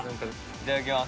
いただきます。